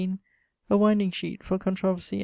A winding sheet for controversy sheet.